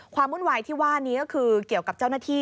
วุ่นวายที่ว่านี้ก็คือเกี่ยวกับเจ้าหน้าที่